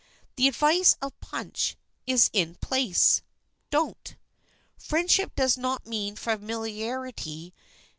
The advice of Punch is in place. Don't. Friendship does not mean familiarity.